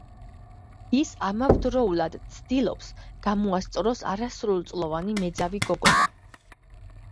ის ამავდროულად ცდილობს, გამოასწოროს არასრულწლოვანი მეძავი გოგონა.